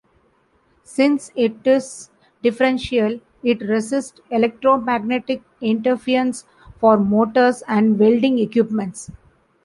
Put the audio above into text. Since it is differential, it resists electromagnetic interference from motors and welding equipment.